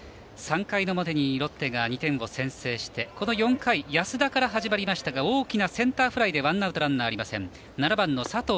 ３回の表にロッテが２点を先制して４回は安田から始まりましたが大きなセンターフライでワンアウトランナーはありません。